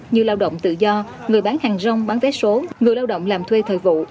như lao động tự do người bán hàng rong bán vé số người lao động làm thuê thời vụ